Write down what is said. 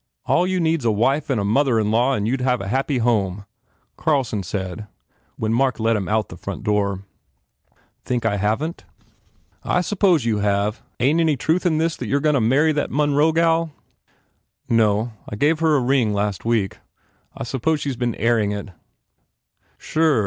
"All you need s a wife and a mother in law and you d have a happy home," Carlson said when Mark let him out of the front door. "Think I haven t?" "I suppose you have. Ain t any truth in this that you re goin to marry that Monroe gal?" 66 FULL BLOOM "No. I gave her a ring, last week. I suppose she s been airing it/ "Sure.